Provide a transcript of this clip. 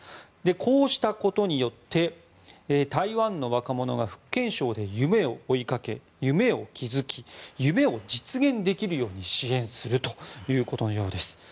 こうしたことによって台湾の若者が福建省で夢を追いかけ夢を築き、夢を実現できるように支援するということのようです。